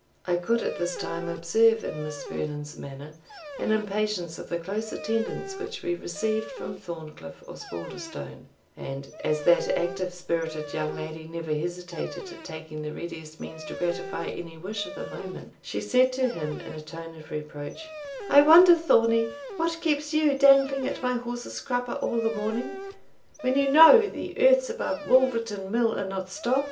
I could at this time observe in Miss Vernon's manner an impatience of the close attendance which we received from Thorncliff Osbaldistone; and, as that active spirited young lady never hesitated at taking the readiest means to gratify any wish of the moment, she said to him, in a tone of reproach "I wonder, Thornie, what keeps you dangling at my horse's crupper all this morning, when you know the earths above Woolverton mill are not stopt."